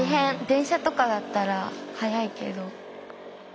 電車とかだったら速いけど。